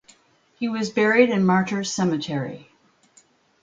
He was buried in Martyrs Cemetery.